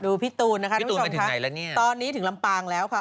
ดูพี่ตูนนะคะตอนนี้ถึงลำปางแล้วค่ะ